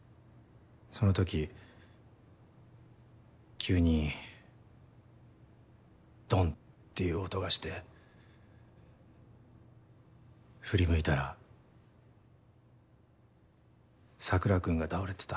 その時急にドンっていう音がして振り向いたら桜君が倒れてた。